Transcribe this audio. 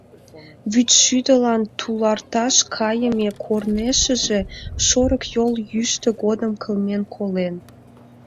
Вичшӱдылан туларташ кайыме корнешыже шорыкйол йӱштӧ годым кылмен колен.